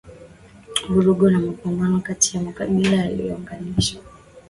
vurugu na mapambano kati ya makabila yaliyoongezewa